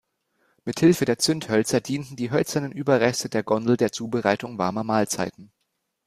Mit Hilfe der Zündhölzer dienten die hölzernen Überreste der Gondel der Zubereitung warmer Mahlzeiten.